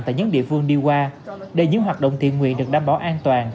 tại những địa phương đi qua để những hoạt động thiện nguyện được đảm bảo an toàn